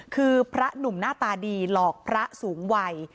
คือพระหนุ่มหน้าตาดีหลอกพระสูงวัย